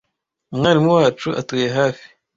Umwarimu wacu atuye hafi.